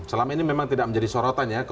selama ini memang tidak menjadi sorotan ya